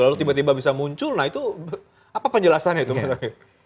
lalu tiba tiba bisa muncul nah itu apa penjelasannya itu mas awi